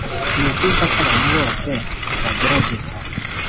Ni byiza ko abantu bose bagerageza